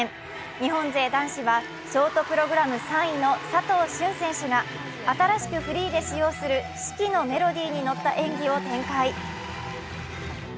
日本勢男子はショートプログラム３位の佐藤駿選手が新しくフリーで使用する「四季」のメロディーに乗った演技を展開。